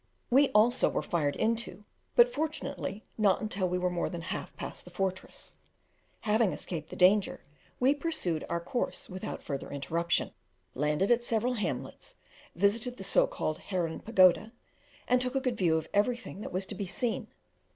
We also were fired into, but fortunately not until we were more than half past the fortress. Having escaped the danger, we pursued our course without further interruption, landed at several hamlets, visited the so called Herren Pagoda, and took a good view of everything that was to be seen.